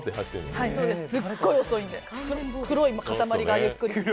すっごい遅いんで、黒いかたまりがゆっくり。